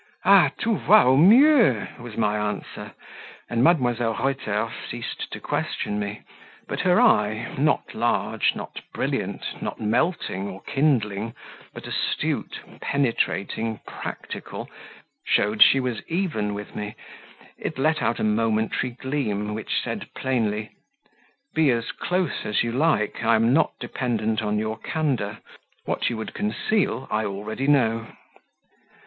"Ah! tout va au mieux!" was my answer, and Mdlle. Reuter ceased to question me; but her eye not large, not brilliant, not melting, or kindling, but astute, penetrating, practical, showed she was even with me; it let out a momentary gleam, which said plainly, "Be as close as you like, I am not dependent on your candour; what you would conceal I already know."